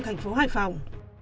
thành phố hải phòng